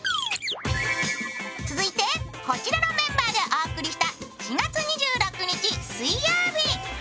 続いてこちらのメンバーでお送りした４月２６日水曜日。